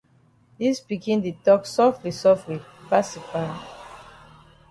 Dis pikin di tok sofli sofli pass yi pa.